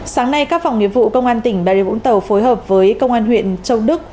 sáng nay các phòng nghiệp vụ công an tỉnh bà rịa vũng tàu phối hợp với công an huyện châu đức